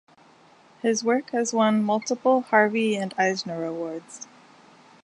His work has won multiple Harvey and Eisner Awards.